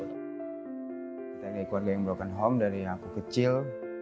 kita dari keluarga yang broken home dari aku kecil